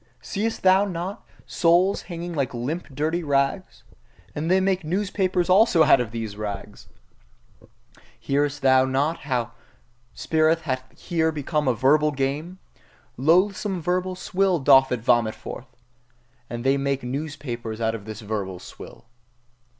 Seest thou not the souls hanging like limp dirty rags? And they make newspapers also out of these rags! Hearest thou not how spirit hath here become a verbal game? Loathsome verbal swill doth it vomit forth! And they make newspapers also out of this verbal swill.